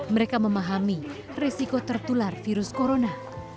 mereka memahami resiko tertular virus corona